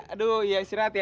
aduh ya istirahat ya